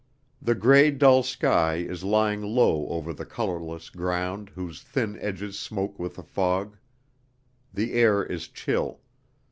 The gray dull sky is lying low over the colorless ground whose thin edges smoke with the fog. The air is chill.